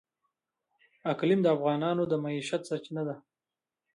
اقلیم د افغانانو د معیشت سرچینه ده.